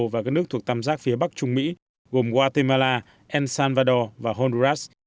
và các nước thuộc tạm giác phía bắc trung mỹ gồm guatemala el salvador và honduras